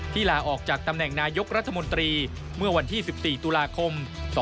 ลาออกจากตำแหน่งนายกรัฐมนตรีเมื่อวันที่๑๔ตุลาคม๒๕๖